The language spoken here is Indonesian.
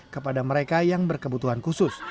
kepada mereka yang berkebutuhan khusus